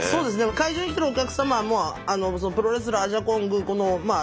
会場に来てるお客様もプロレスラーアジャコングまあ